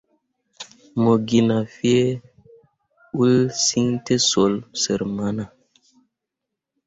Mo ge na fyee uul ciŋ tǝsoole sər mana.